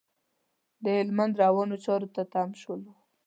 د هلمند روانو چارو ته تم شولو.